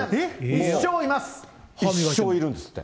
一生いるんですって。